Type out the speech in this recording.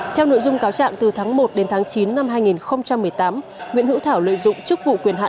theo nội dung cáo trạng từ tháng một đến tháng chín năm hai nghìn một mươi tám nguyễn hữu thảo lợi dụng chức vụ quyền hạn